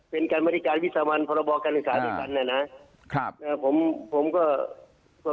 เป็นการบริการวิทยาวัณฑ์พระบอกรรยากราศานตรีกัน